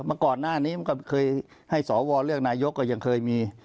มันก็เคยให้สวเลือกนายกก็ยังเคยมี